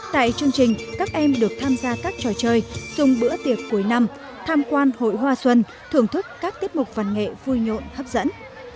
tại chương trình các em được tham gia các trò chơi dùng bữa tiệc cuối năm tham quan hội hoa xuân thưởng thức các tiết mục văn nghệ vui nhộn hấp dẫn